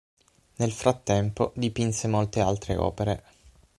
Nel frattempo dipinse molte altre opere.